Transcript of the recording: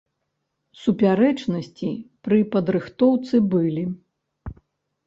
Супярэчнасці пры падрыхтоўцы былі.